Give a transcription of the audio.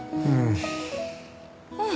うん。